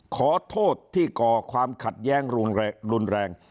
ขอโทษที่ก่อความขัดแย้งรุนแรง